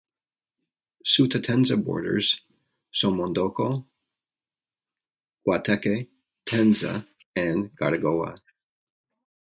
Sutatenza borders Somondoco, Guateque, Tenza and Garagoa.